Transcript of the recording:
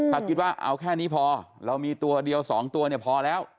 ถ้าคิดว่าเอาแค่นี้พอเรามีตัวเดียว๒ตัวเนี่ยพอแล้ว